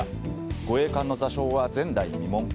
護衛艦の座礁は前代未聞。